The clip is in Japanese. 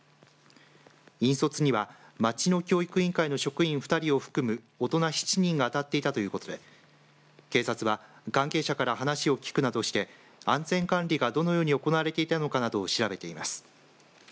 引率には町の教育委員会の職員２人を含む大人７人が当たっていたということで警察は関係者から話を聞くなどして安全管理がどのように行われていたのかなどを調べています。